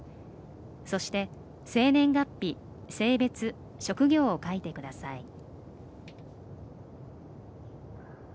そして、生年月日、性別、職業を書いてください。